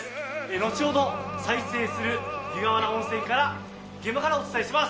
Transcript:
後ほど、再生する湯河原温泉から現場からお伝えします。